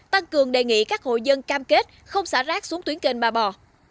tăng cường đề nghị các hội dân cam kết không xả rác xuống tuyến kênh ba bò